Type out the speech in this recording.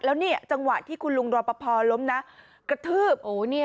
แล้วเนี่ยจังหวะที่คุณลุงรอปภล้มนะกระทืบ